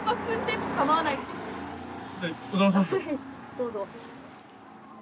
どうぞ。